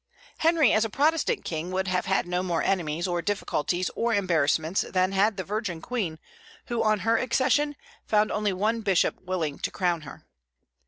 Henry as a Protestant king would have had no more enemies, or difficulties, or embarrassments than had the Virgin Queen, who on her accession found only one bishop willing to crown her.